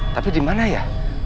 tapi di mana ya